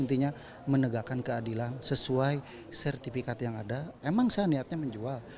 intinya menegakkan keadilan sesuai sertifikat yang ada emang saya niatnya menjual